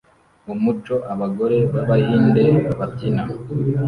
Umuco Abagore b'Abahinde babyina